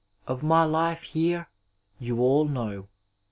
Of my life here you all know.